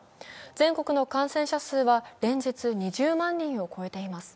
全国の感染者数は連日２０万人を超えています。